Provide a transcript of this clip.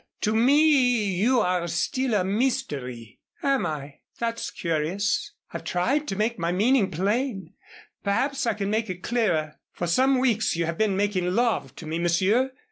To me you are still a mystery." "Am I? That's curious. I've tried to make my meaning plain. Perhaps I can make it clearer. For some weeks you have been making love to me, Monsieur.